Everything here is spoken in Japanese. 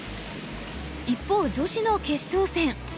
一方女子の決勝戦。